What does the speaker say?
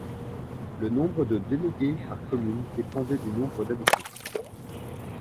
Le nombre de délégués par commune dépendait du nombre d’habitants.